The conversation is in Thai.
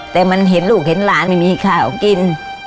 แต่มันเห็นลูกเห็นหลานไม่มีข้าวกิน